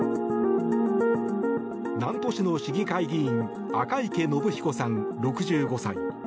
南砺市の市議会議員赤池信彦さん、６５歳。